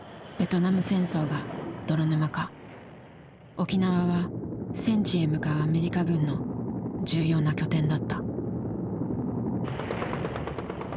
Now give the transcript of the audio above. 沖縄は戦地へ向かうアメリカ軍の重要な拠点だった。